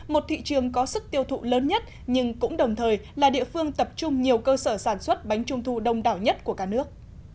một thị trường có sức tiêu thụ lớn nhất nhưng cũng đồng thời là địa phương tập trung nhiều cơ sở sản xuất bánh trung thu đông đảo nhất của cả nước